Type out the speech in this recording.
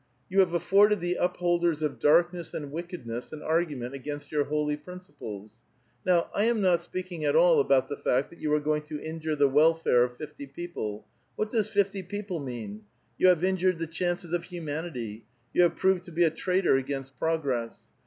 You have affoixled the upholders of darkiiebs aud wickeduess au argu ment against your lioly principles. Now I am not speakiug at all ahoiit the fact that you are going to injure the welfare of fifty people. What does fifty people mean? You have injured the chances of humanity ; you have proveil to be a traitor against progress.